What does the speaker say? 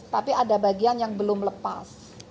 tapi ada bagian yang belum lepas